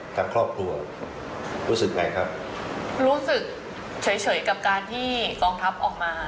ทางครอบครัวรู้สึกไงครับรู้สึกเฉยเฉยกับการที่กองทัพออกมา